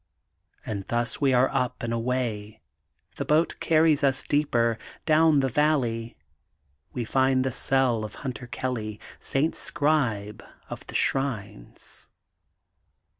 '' And thus we are up and away. The boat carries us deeper, down the valley. We find the cell of Hunter Kelly, — St. Scribe of the Shrines.